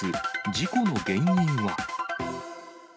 事故の原因は。